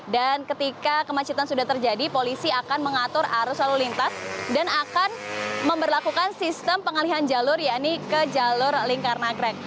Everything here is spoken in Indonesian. ketika kemacetan sudah terjadi polisi akan mengatur arus lalu lintas dan akan memperlakukan sistem pengalihan jalur yaitu ke jalur lingkar nagrek